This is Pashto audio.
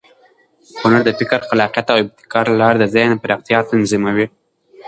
هنر د فکر، خلاقیت او ابتکار له لارې د ذهن پراختیا تضمینوي.